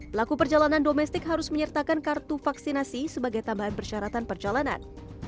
pelaku perjalanan domestik harus menyertakan kartu vaksinasi sebagai tambahan persyaratan perjalanan